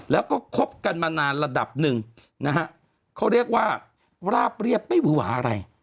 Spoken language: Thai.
แล้วก็คบกันมานานระดับหนึ่งนะฮะเขาเรียกว่าราบเรียบไม่หือหวาอะไร